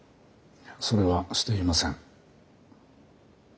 それはしていません。